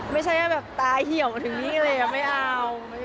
ไม่ใช่ว่าแบบตาเหี่ยวกันถึงนี่เลยไม่เอา